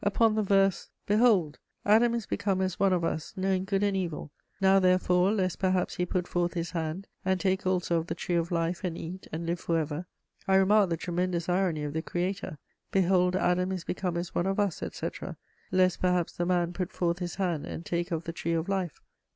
_ Upon the verse, "Behold, Adam is become as one of us, knowing good and evil: now, therefore, lest perhaps he put forth his hand, and take also of the tree of life, and eat, and live for ever," I remarked the tremendous irony of the Creator: "Behold Adam is become as one of us, etc. Lest perhaps the man put forth his hand and take of the tree of life."